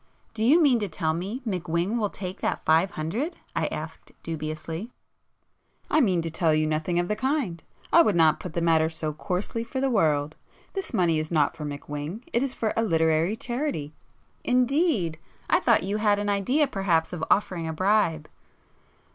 "Do you mean to tell me McWhing will take that five hundred?" I asked dubiously. "I mean to tell you nothing of the kind. I would not put the matter so coarsely for the world! This money is not for McWhing,—it is for a literary charity." "Indeed! I thought you had an idea perhaps of offering a bribe...."